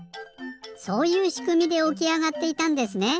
そういうしくみでおきあがっていたんですね！